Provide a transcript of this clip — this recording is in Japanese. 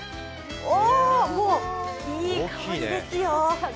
いい香りですよ。